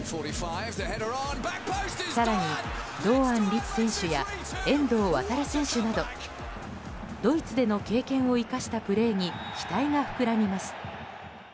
更に堂安律選手や遠藤航選手などドイツでの経験を生かしたプレーに期待が膨らみます。